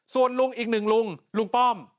ส่วนลุงอีกหนึ่งลุงลุงป้อม